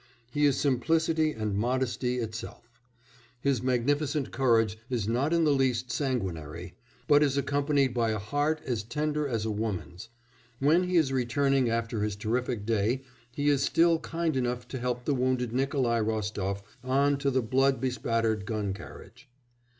He is simplicity and modesty itself; his magnificent courage is not in the least sanguinary, but is accompanied by a heart as tender as a woman's; when he is returning after his terrific day he is still kind enough to help the wounded Nikolai Rostof on to the blood bespattered gun carriage.